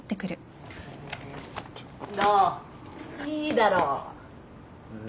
いいだろ。